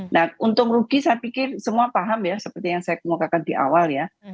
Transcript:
nah untung rugi saya pikir semua paham ya seperti yang saya kemukakan di awal ya